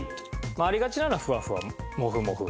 ありがちなのは「ふわふわ」「もふもふ」。